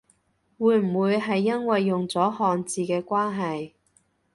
會唔會係因為用咗漢字嘅關係？